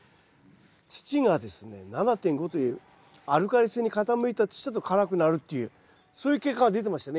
土がですね７．５というアルカリ性に傾いた土だと辛くなるっていうそういう結果が出てましたね